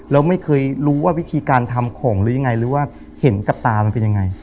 แล้วไม่เคยรู้ว่าวิธีการทำของหรือยังไงหรือว่าเห็นกับตามันเป็นยังไง